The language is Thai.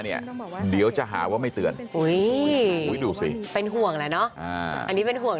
เนี่ยเดี๋ยวจะหาว่าไม่เตือนดูสิเป็นห่วงแหละเนอะอันนี้เป็นห่วง